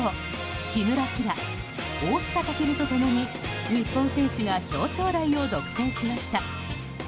木村葵来、大塚健と共に日本選手が表彰台を独占しました。